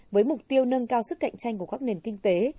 với mục tiêu nâng cao sức cạnh tranh của các nền kinh tế